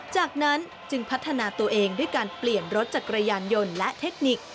จากนั้นจึงพัฒนาตัวเองด้วยการเปลี่ยนรถจักรยานยนต์และเทคนิค